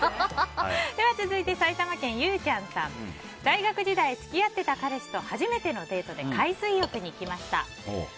では続いて、埼玉県の方。大学時代、付き合ってた彼氏と初めてのデートで海水浴に行きました。